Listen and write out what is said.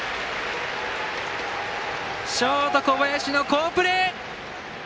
ショート、小林の好プレー。